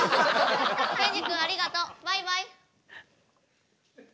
ケンジ君ありがとう。バイバイ。